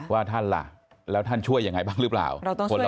ว่าท่านล่ะแล้วท่านช่วยยังไงบ้างหรือเปล่าเราต้องช่วยกัน